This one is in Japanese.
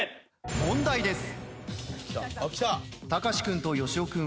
問題です。